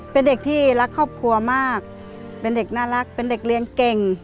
เป็นเด็กที่รักครอบครัวมากเป็นเด็กน่ารักเป็นเด็กเรียนเก่ง